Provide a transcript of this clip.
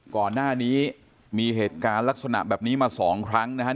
ก่อนหน้านี้มีเหตุการณ์ลักษณะแบบนี้มา๒ครั้งนะครับ